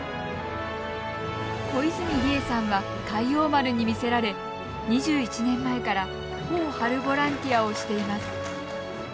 小泉理恵さんは海王丸に魅せられ２１年前から帆を張るボランティアをしています。